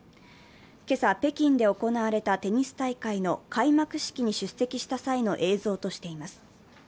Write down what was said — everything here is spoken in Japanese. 今朝、北京で行われたテニス大会の開幕式に出席した際の映像としています。